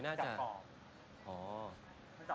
กลับมาที่นี่